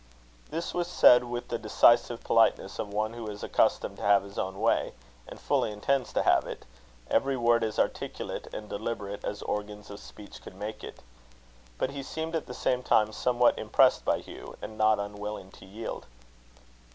This was said with the decisive politeness of one who is accustomed to have his own way, and fully intends to have it every word as articulate and deliberate as organs of speech could make it. But he seemed at the same time somewhat impressed by Hugh, and not unwilling to yield.